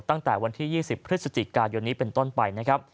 ตั้งแต่วันที่๒๐พฤศจิกายนนี้เป็นต้นไปนะครับ